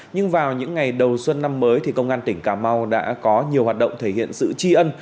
nhưng vào những ngày đầu xuân năm mới thì công an tỉnh cà mau đã có nhiều hoạt động thể hiện sự tri ân